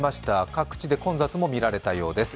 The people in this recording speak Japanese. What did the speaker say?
各地で混雑も見られたようです。